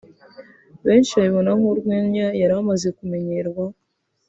benshi babibona nk'urwenya yari amaze kumenyerwaho